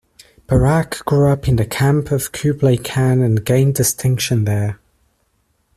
Baraq grew up in the camp of Kublai Khan and gained distinction there.